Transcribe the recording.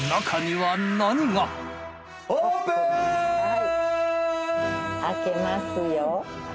はい開けますよ。